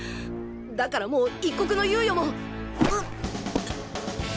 だからもう一刻の猶予もうっ！